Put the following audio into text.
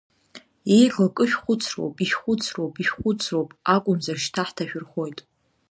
Еиӷьу акы шәхәыцроуп, ишәхәыцроуп, ишәхәыцроуп, акәымзар, шьҭа ҳҭашәырхоит!